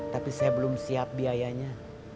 tapi saya belum siap biayanya